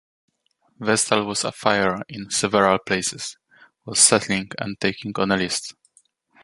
Vestal was afire in several places, was settling and taking on a list.